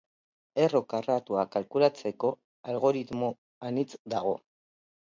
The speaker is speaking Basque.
Erro karratua kalkulatzeko algoritmo anitz dago.